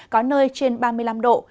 có nơi trên ba mươi năm độ